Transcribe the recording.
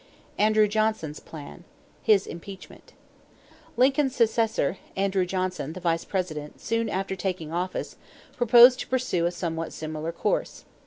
=Andrew Johnson's Plan His Impeachment.= Lincoln's successor, Andrew Johnson, the Vice President, soon after taking office, proposed to pursue a somewhat similar course.